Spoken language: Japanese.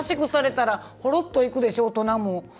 優しくされたらほろっといくでしょ。